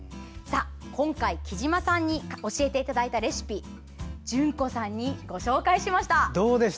今回、きじまさんに教えていただいたレシピ淳子さんにご紹介しました。